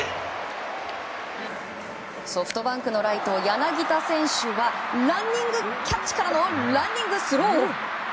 ソフトバンクのライト柳田選手はランニングキャッチからのランニングスロー！